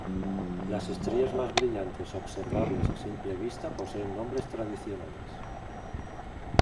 Las estrellas más brillantes observables a simple vista poseen nombres tradicionales.